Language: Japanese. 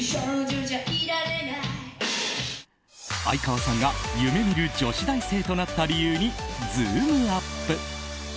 相川さんが夢見る女子大生となった理由にズームＵＰ！